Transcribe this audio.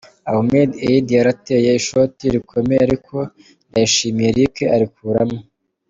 ' Ahmed Eid yarateye ishoti rikomeye ariko Ndayishimiye Eric arikuramo.